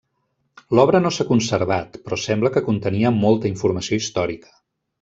L'obra no s'ha conservat, però sembla que contenia molta informació històrica.